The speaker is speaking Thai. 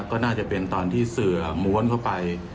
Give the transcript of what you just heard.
ก็น่าจะเป็นตอนที่เสือม้วนเข้าไป